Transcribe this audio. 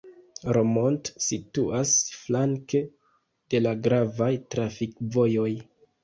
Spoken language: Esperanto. Romont situas flanke de la gravaj trafikvojoj.